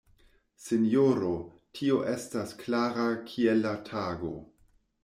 Sinjoro, tio estas klara kiel la tago!